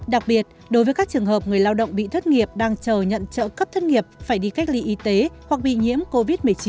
đặc biệt đối với các trường hợp người lao động bị thất nghiệp đang chờ nhận trợ cấp thất nghiệp phải đi cách ly y tế hoặc bị nhiễm covid một mươi chín